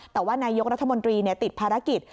แต่ว่านายกรัฐมนตรีติดภารกิจ